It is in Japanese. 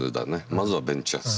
まずはベンチャーズ。